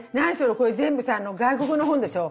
これ全部さ外国の本でしょう。